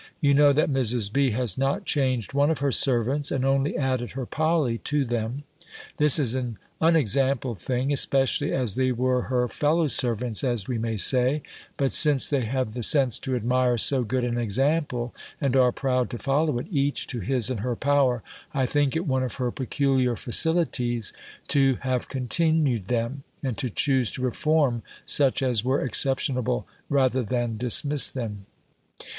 You know that Mrs. B. has not changed one of her servants, and only added her Polly to them. This is an unexampled thing, especially as they were her fellow servants as we may say: but since they have the sense to admire so good an example, and are proud to follow it, each to his and her power, I think it one of her peculiar facilities to have continued them, and to choose to reform such as were exceptionable rather than dismiss them.